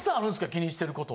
気にしてること。